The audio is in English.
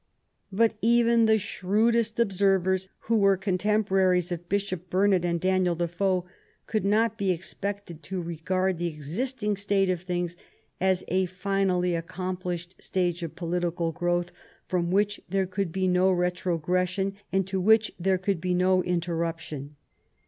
But even the shrewdest observers who were contemporaries of Bishop Burnet and Daniel Defoe could not be expected to regard the existing state of things as a finally accomplished stage of political growth from which there could be no re trogression, and to which there could be no interrup tion.